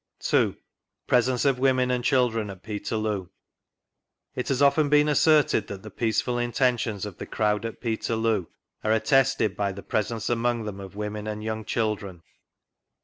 2— PRESENCE OF WOMEN AND CHILDREN AT PETERLOO. It has often been asserted that the peaceful intea tions of the crowd at Peterloo are attested by the presence among them of women and young children.